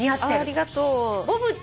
ありがとう。